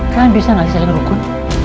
kalian bisa gak sih saling ngelukun